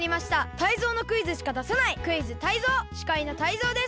タイゾウのクイズしか出さない「クイズタイゾウ」！しかいのタイゾウです。